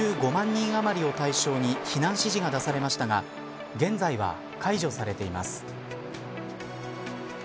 人あまりを対象に避難指示が出されましたが現在は解除されています。